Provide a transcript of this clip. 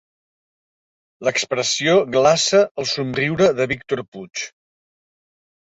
L'expressió glaça el somriure de Víctor Puig.